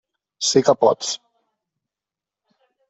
Sí que pots.